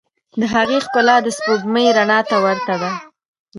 د هغې ښکلا د سپوږمۍ رڼا ته ورته ده.